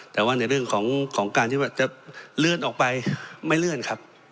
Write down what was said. แต่ว่าในเรื่องของการที่ว่าจะเลื่อนออกไปไม่เลื่อนครับ